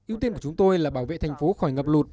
ưu tiên của chúng tôi là bảo vệ thành phố khỏi ngập lụt